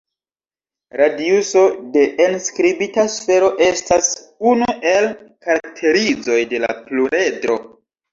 Radiuso de enskribita sfero estas unu el karakterizoj de la pluredro.